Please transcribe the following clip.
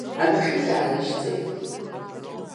Адәахьы иаалашьцеит.